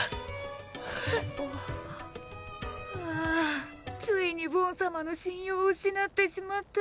あああついにボン様の信用を失ってしまった！